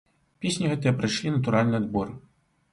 Песні гэтыя прайшлі натуральны адбор.